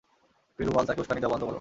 পেরুমল, তাকে উসকানি দেওয়া বন্ধ করো।